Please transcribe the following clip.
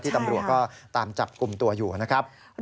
ตำรวจก็ตามจับกลุ่มตัวอยู่นะครับ